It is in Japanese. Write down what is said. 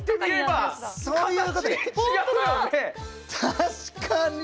確かに！